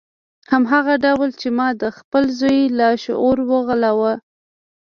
هماغه ډول چې ما د خپل زوی لاشعور وغولاوه